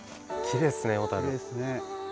きれいですね。